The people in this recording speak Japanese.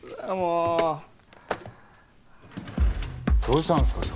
どうしたんですか？